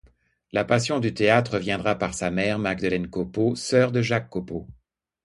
La passion du théâtre viendra par sa mère, Magdeleine Copeau, sœur de Jacques Copeau.